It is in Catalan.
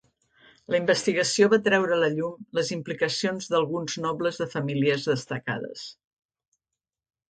La investigació va treure a la llum les implicacions d'alguns nobles de famílies destacades.